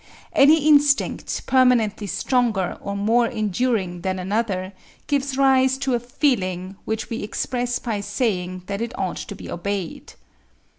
Any instinct, permanently stronger or more enduring than another, gives rise to a feeling which we express by saying that it ought to be obeyed.